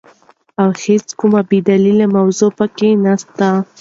او هيڅ کومه بي دليله موضوع په کي نسته،